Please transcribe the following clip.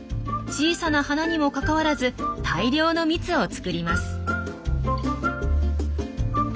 小さな花にもかかわらず大量の蜜を作ります。